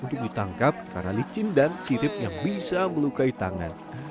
menggigit ketika dipanen bawal biasanya sulit untuk ditangkap karena licin dan sirip yang bisa melukai tangan